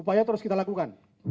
upaya terus kita lakukan